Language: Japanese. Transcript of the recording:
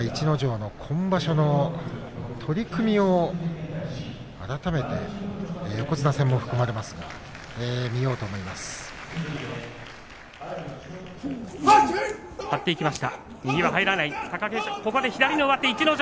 逸ノ城の今場所の取り組みを改めて横綱戦も含め見ようと思います。